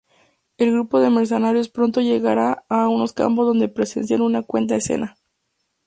El grupo de mercenarios pronto llega a unos campos donde presencian una cruenta escena.